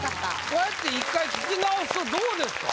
こうやって１回聴き直すとどうですか？